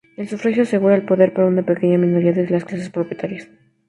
El sufragio asegura el poder para una pequeña minoría de las clases propietarias.